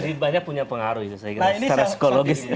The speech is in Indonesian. seribanya punya pengaruh itu saya kira secara psikologis